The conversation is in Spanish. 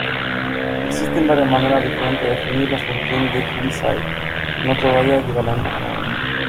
Existen varias maneras diferentes de definir la función de Heaviside, no todas ellas equivalentes.